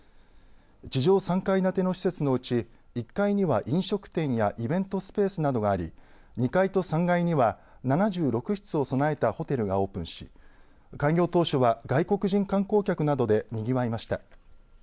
地上３階建ての施設のうち１階には飲食店やイベントスペースなどがあり２階と３階には７６室を備えたホテルがオープンし開業当初は外国人観光客などでにぎわいました。